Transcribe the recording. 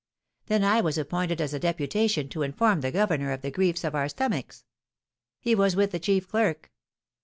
Then I was appointed as a deputation to inform the governor of the griefs of our stomachs. He was with the chief clerk.